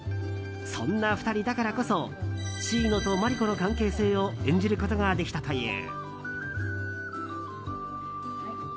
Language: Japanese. そんな２人だからこそシイノとマリコの関係性を演じることができたという。